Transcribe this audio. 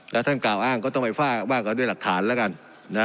แล้วท่านกล่าวอ้างก็ต้องไปว่ากันด้วยหลักฐานแล้วกันนะ